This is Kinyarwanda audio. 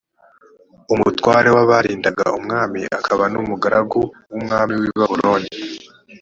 d umutware w abarindaga umwami akaba n umugaragu w umwami w i babuloni